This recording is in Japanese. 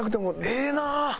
ええなあ！